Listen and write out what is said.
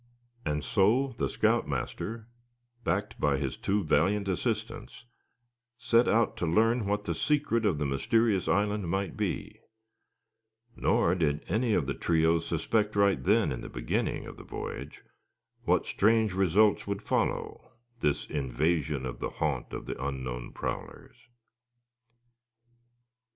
And so the scout master backed, by his two valiant assistants, set out to learn what the secret of the mysterious island might be; nor did any of the trio suspect right then in the beginning of the voyage what strange results would follow this invasion of the haunt of the unknown prowlers.